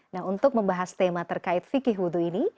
nah untuk membahas tema terkait fikih wudhu ini